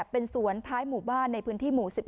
เป็นสวนท้ายหมู่บ้านในพื้นที่หมู่๑๑